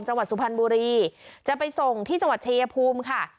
จังหวัดสุพรรณบุรีจะไปส่งที่จังหวัดเฉยภูมิค่ะ